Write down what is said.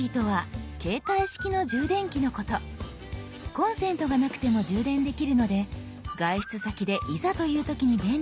コンセントがなくても充電できるので外出先でいざという時に便利です。